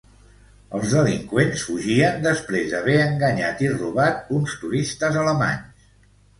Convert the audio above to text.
Els delinqüents fugien després d'haver enganyat i robat uns turistes alemanys.